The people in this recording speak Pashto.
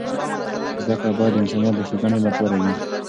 زده کړه باید د انسانیت د ښیګڼې لپاره وي.